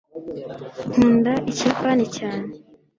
nkunda ikiyapani cyane